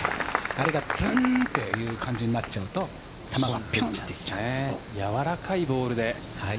あれがズンという感じになっちゃうとやわらかいボールで。